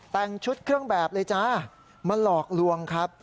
แต่งชุดเครื่องแบบเลยจ้ามาหลอกลวงครับ